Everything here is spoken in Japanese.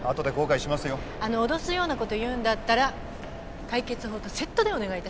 脅すようなこと言うんだったら解決法とセットでお願いいたします。